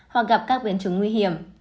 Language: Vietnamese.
hoặc gặp các biến chứng nguy hiểm